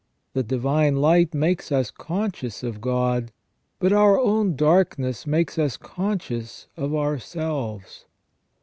The divine light makes us conscious of God ; but our own darkness makes us conscious of ourselves.